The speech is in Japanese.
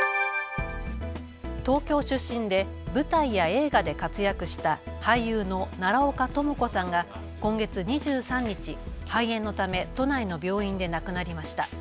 東京出身で舞台や映画で活躍した俳優の奈良岡朋子さんが今月２３日、肺炎のため都内の病院で亡くなりました。